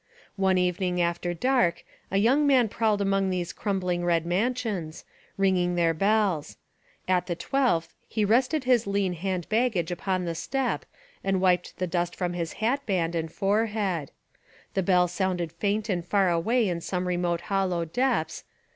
One evening after dark a young man prowled among these crumbling red mansions, ring ing their bells. At the twelfth he rested his lean hand baggage upon the step and wiped the dust from his hatband and forehead. The bell sounded faint and far away in some remote hollow depths.